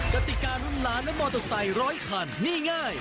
กติการุ่นล้านและมอเตอร์ไซค์ร้อยคันนี่ง่าย